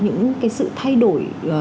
những cái sự thay đổi